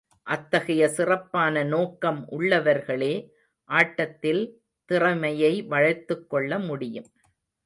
அத்தகைய சிறப்பான நோக்கம் உள்ளவர்களே ஆட்டத்தில் திறமையை வளர்த்துக்கொள்ள முடியும்.